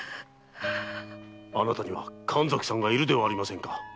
あなたには神崎さんがいるではありませんか。